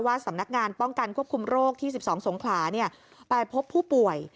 สำนักงานป้องกันควบคุมโรคที่๑๒สงขลาไปพบผู้ป่วย